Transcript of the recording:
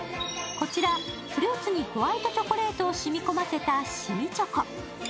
こちらフルーツにホワイトチョコレートをしみこませたしみチョコ。